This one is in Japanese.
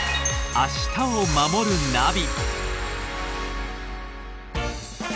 「明日をまもるナビ」